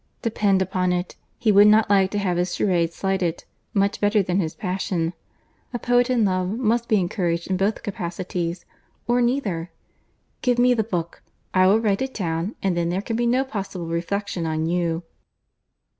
Depend upon it, he would not like to have his charade slighted, much better than his passion. A poet in love must be encouraged in both capacities, or neither. Give me the book, I will write it down, and then there can be no possible reflection on you."